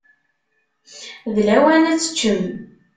D lawan ad teččemt.